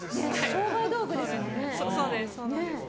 商売道具ですもんね。